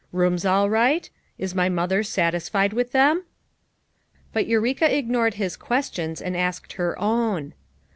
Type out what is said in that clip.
Rooms all right! Is my mother satisfied with them!" But Eureka ignored his questions and asked her own.